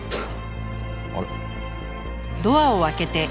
あれ？